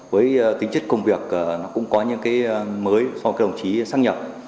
với tính chất công việc nó cũng có những cái mới so với các đồng chí xác nhập